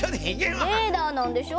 レーダーなんでしょ？